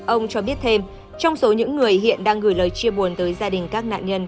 ông cho biết thêm trong số những người hiện đang gửi lời chia buồn tới gia đình các nạn nhân